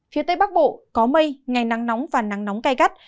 phía tây bắc bộ có mây ngày nắng nóng và nắng nóng cay gắt